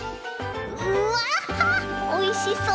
うわおいしそう！